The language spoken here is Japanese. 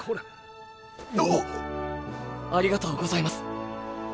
ありがとうございます。